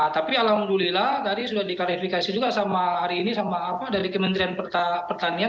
tapi alhamdulillah tadi sudah diklarifikasi juga sama hari ini sama apa dari kementerian pertanian